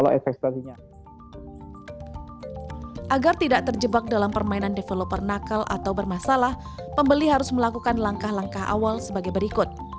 agar tidak terjebak dalam permainan developer nakal atau bermasalah pembeli harus melakukan langkah langkah awal sebagai berikut